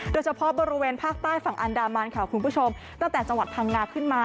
โดยเฉพาะบริเวณภาคใต้ฝั่งอันดามันค่ะคุณผู้ชมตั้งแต่จังหวัดพังงาขึ้นมา